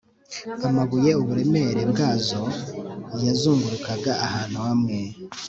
Amabuye uburemere bwazo yazungurukaga ahantu hamwe